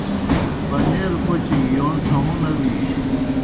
پمَیلوْ پوْچوْ گیْ یون ڇھہُوں نہ بِینوْ۔